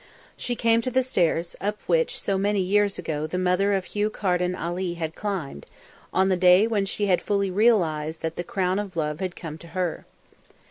She came to the stairs, up which so many years ago the mother of Hugh Carden Ali had climbed, on the day when she had fully realised that the crown of love had come to her.